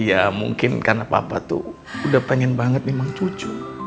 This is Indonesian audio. ya mungkin karena papa tuh udah pengen banget memang cucu